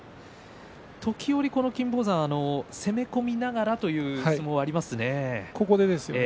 時折、金峰山攻め込みながらという相撲がありますね。